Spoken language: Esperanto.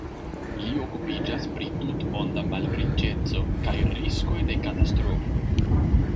Li okupiĝas pri tutmonda malriĉeco kaj riskoj de katastrofoj.